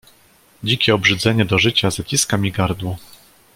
"Dzikie obrzydzenie do życia zaciska mi gardło."